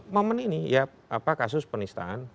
momen ini ya apa kasus penistaan